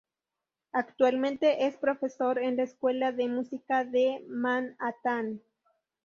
Actualmente es profesor en la Escuela de Música de Manhattan.